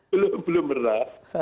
belum belum pernah